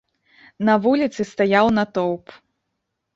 На вуліцы стаяў натоўп.